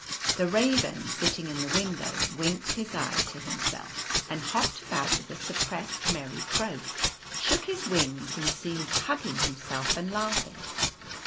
,, The Raven, sitting in the window, winked his eye to himself and hopped about with a suppressed merry croak, shook his wings, and seemed hugging himself and laughing.